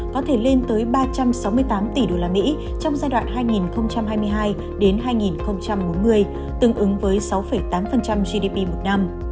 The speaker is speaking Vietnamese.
có thể lên tới ba trăm sáu mươi tám tỷ usd trong giai đoạn hai nghìn hai mươi hai hai nghìn bốn mươi tương ứng với sáu tám gdp một năm